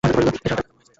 এই শহরে তার জন্ম হয়েছিল।